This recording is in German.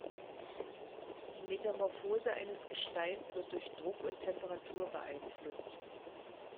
Die Metamorphose eines Gesteins wird durch Druck und Temperatur beeinflusst.